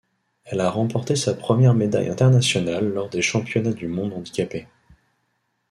Elle a remporté sa première médaille internationale lors des championnats du monde handicapés.